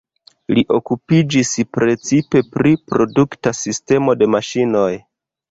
Li okupiĝis precipe pri produkta sistemo de maŝinoj.